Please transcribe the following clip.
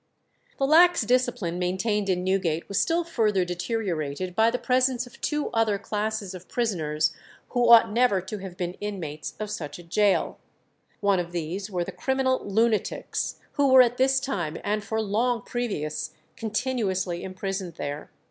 The lax discipline maintained in Newgate was still further deteriorated by the presence of two other classes of prisoners who ought never to have been inmates of such a gaol. One of these were the criminal lunatics, who were at this time and for long previous continuously imprisoned there.